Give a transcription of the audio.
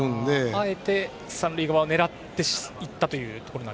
あえて三塁側を狙ったと。